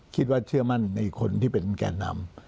เชื่อมั่นในคนที่เป็นแก่นำ